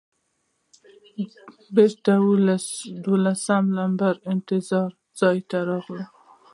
بېرته دولسم نمبر انتظار ځای ته راغلم.